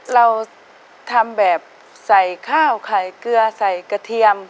เราทำแบบใส่ข้าวไข่เกลือใส่กระเทียม